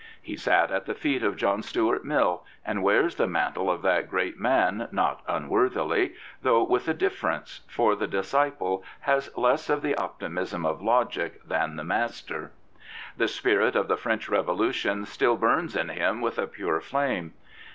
He sat at the feet of John Stuart Mill and wears the mantle of that great man not unworthily, though with a difference, for the disciple has less of the optimism of logic than the master. The spirit of the French Revolution still burns in him with a pure flame.